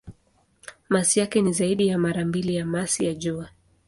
Masi yake ni zaidi ya mara mbili ya masi ya Jua.